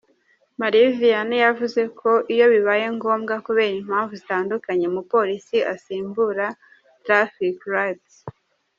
Marie Vianney yavuze ko iyo bibaye ngombwa kubera impamvu zitandukanye umupolisi asimbura ‘Traffic lights’.